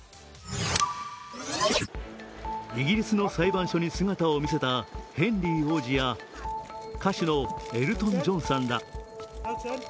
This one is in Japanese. イギリスの裁判所に姿を見せたヘンリー王子や歌手のエルトン・ジョンさんら。